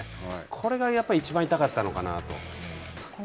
これがやっぱりいちばん痛かったのかなと。